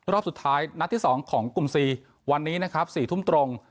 รอบสุดท้ายนัดที่๒ของกลุ่มซีวันนี้นะครับ๔ทุ่มตรง